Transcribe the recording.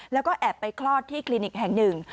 แล้วก็แอบไปคลอดที่คลินิกแห่งหนึ่ง